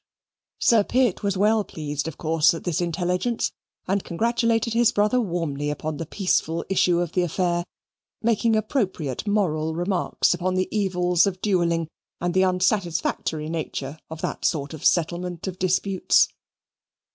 Sir Pitt was well pleased, of course, at this intelligence, and congratulated his brother warmly upon the peaceful issue of the affair, making appropriate moral remarks upon the evils of duelling and the unsatisfactory nature of that sort of settlement of disputes.